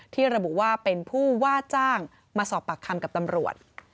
ที่ระบุว่าเป็นผู้ว่าจ้างมาสอบปากคำกับตำรวจ